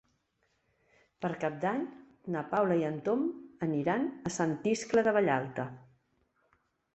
Per Cap d'Any na Paula i en Tom aniran a Sant Iscle de Vallalta.